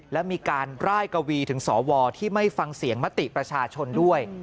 และมีการร่ายกวีถึงสวที่ไม่ฟังเสียงมติประชาชนด้วย